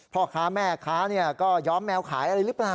พ่อค้าแม่ค้าก็ย้อมแมวขายอะไรหรือเปล่า